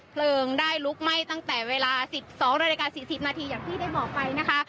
เพลิงได้ลุกไหม้ตั้งแต่เวลา๑๒นาฬิกา๔๐นาทีอย่างที่ได้บอกไปนะคะ